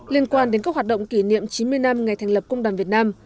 liên quan đến các hoạt động kỷ niệm chín mươi năm ngày thành lập công đoàn việt nam